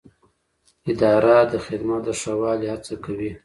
اداره د خدمت د ښه والي هڅه کوي.